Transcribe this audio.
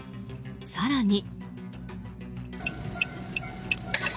更に。